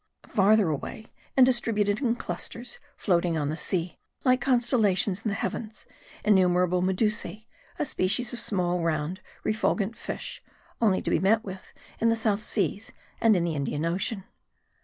Farther away, and dis tributed in clusters, floated on the sea, like constellations in the heavens, innumerable Medusae, a species of small; round, refulgent fish, only to be met with in the South Seas and the Indian Ocean.